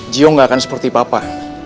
jiho nggak akan seperti papa